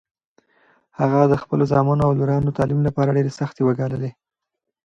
هغه د خپلو زامنو او لورانو د تعلیم لپاره ډېرې سختۍ وګاللې.